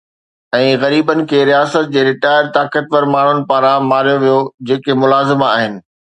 ۽ غريبن کي رياست جي ريٽائرڊ طاقتور ماڻهن پاران ماريو ويو جيڪي ملازم آهن